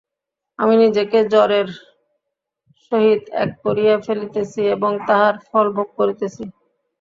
আমি নিজেকে জড়ের সহিত এক করিয়া ফেলিতেছি এবং তাহার ফল ভোগ করিতেছি।